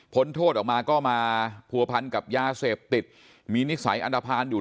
โทษออกมาก็มาผัวพันกับยาเสพติดมีนิสัยอันตภัณฑ์อยู่